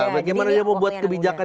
bagaimana dia mau buat kebijakan